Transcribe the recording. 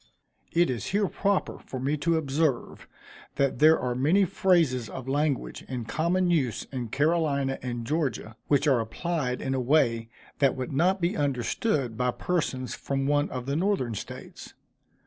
It is here proper for me to observe, that there are many phrases of language in common use in Carolina and Georgia, which are applied in a way that would not be understood by persons from one of the Northern States.